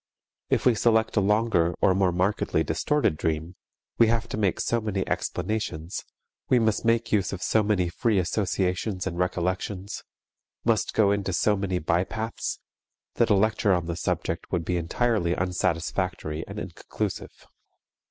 If we select a longer or more markedly distorted dream, we have to make so many explanations, we must make use of so many free associations and recollections, must go into so many bypaths, that a lecture on the subject would be entirely unsatisfactory and inconclusive.